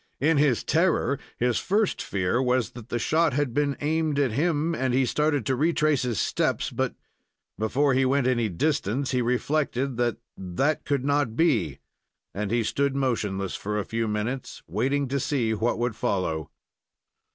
In his terror, his first fear was that the shot had been aimed at him, and he started to retrace his steps but before he went any distance, he reflected that that could not be and he stood motionless for a few minutes, waiting to see what would follow.